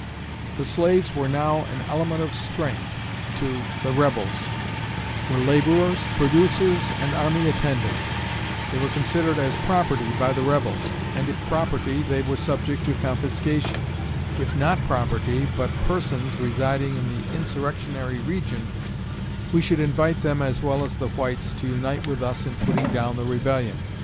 The slaves were now an element of strength to the Rebels were laborers, producers, and army attendants; they were considered as property by the Rebels, and if property they were subject to confiscation; if not property, but persons residing in the insurrectionary region, we should invite them as well as the whites to unite with us in putting down the Rebellion."